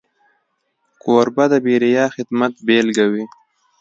کوربه د بېریا خدمت بيلګه وي.